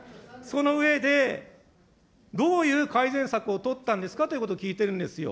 その上で、どういう改善策を取ったんですかということを聞いてるんですよ。